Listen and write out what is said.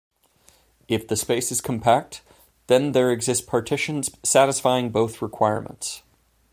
If the space is compact, then there exist partitions satisfying both requirements.